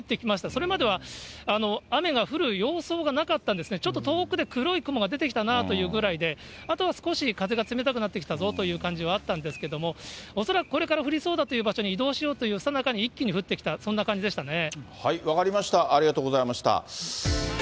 それまでは雨が降る様相がなかったんですね、ちょっと遠くで黒い雲が出てきたなというぐらいで、あとは少し風が冷たくなってきたぞという感じはあったんですけど、恐らくこれから降りそうだという場所に移動しようというさなかに、一気に降ってきた、そんな感じでしたね。